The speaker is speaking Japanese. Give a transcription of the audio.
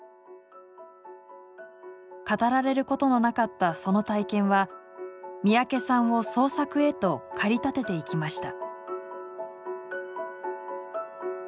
語られることのなかったその体験は三宅さんを創作へと駆り立てていきました。